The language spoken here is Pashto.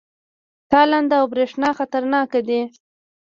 تالنده او برېښنا خطرناک دي؟